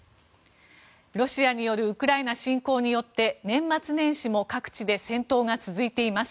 ロシアによるウクライナ侵攻によって年末年始も各地で戦闘が続いています。